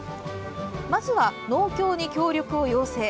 まずは農協に協力を要請。